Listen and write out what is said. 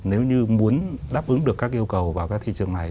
nếu như muốn đáp ứng được các yêu cầu vào các thị trường này